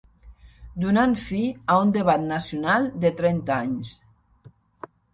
Donant fi a un debat nacional de trenta anys.